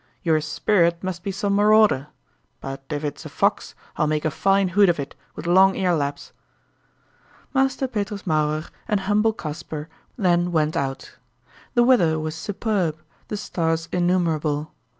Your spirit must be some marauder. But if it's a fox, I'll make a fine hood of it, with long earlaps." Master Petrus Mauerer and humble Kasper then went out. The weather was superb, the stars innumerable.